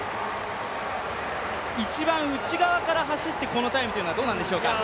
一番内側から走ってこのタイムというのはどうなんでしょうか。